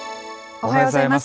おはようございます。